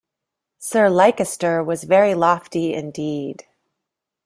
Sir Leicester was very lofty indeed.